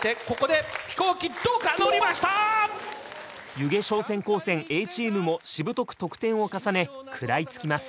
弓削商船高専Ａチームもしぶとく得点を重ね食らいつきます。